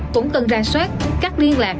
cũng cần ra soát cắt liên lạc